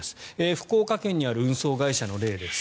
福岡県にある運送会社の例です。